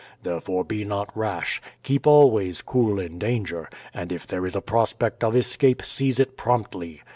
Therefore be not rash; keep always cool in danger, and if there is a prospect of escape seize it promptly.